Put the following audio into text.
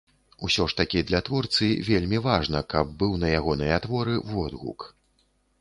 Усё ж такі для творцы вельмі важна, каб быў на ягоныя творы водгук.